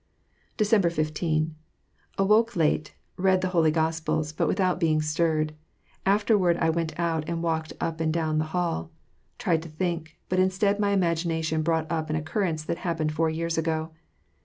Dbcembbr 15. — Awoke late, read the Holy Gospels, but without beine stirred. Afterward, I went out and walked up and down the hall. Tried to think, but instead my imagination brousht up an occuirence that hap pened four years ago.